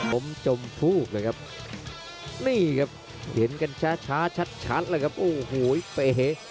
สมจมภูกษ์เลยครับนี่ครับเห็นกันช้าชัดเลยครับโอ้โหไอ้เป๋